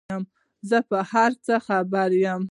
زه په هر څه خبر یم ،